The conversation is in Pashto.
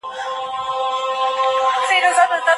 هغوی په دفتري کارونو کي مهارت لري.